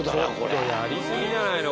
ちょっとやりすぎじゃないの？